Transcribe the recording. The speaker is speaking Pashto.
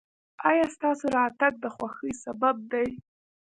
ایا ستاسو راتګ د خوښۍ سبب دی؟